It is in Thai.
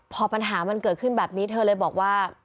พอปัญหามันเกิดขึ้นแบบนี้เธอเลยบอกว่า